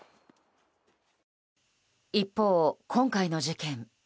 一方、今回の事件。